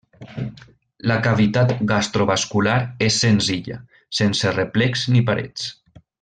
La cavitat gastrovascular és senzilla, sense replecs ni parets.